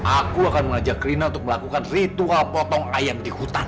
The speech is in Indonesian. aku akan mengajak rina untuk melakukan ritual potong ayam di hutan